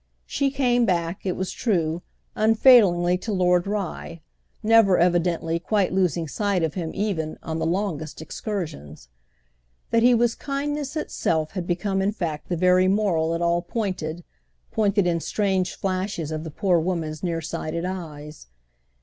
She came back, it was true, unfailingly to Lord Rye, never, evidently, quite losing sight of him even on the longest excursions. That he was kindness itself had become in fact the very moral it all pointed—pointed in strange flashes of the poor woman's nearsighted eyes.